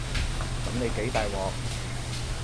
噉你幾大鑊